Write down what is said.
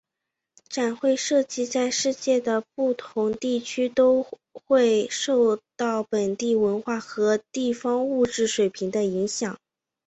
展会设计在世界的不同地区都会受到本地文化和地方物质水平的影响。